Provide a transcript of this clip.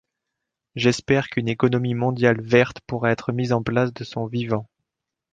J'espère qu'une économie mondiale verte pourra être mise en place de son vivant.